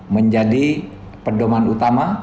menjadi pendoman utama